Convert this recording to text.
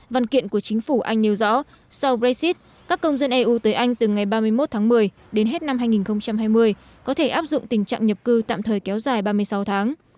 văn kiện của chính phủ anh nêu rõ sau brexit các công dân eu tới anh từ ngày ba mươi một tháng một mươi đến hết năm hai nghìn hai mươi có thể áp dụng tình trạng nhập cư tạm thời kéo dài ba mươi sáu tháng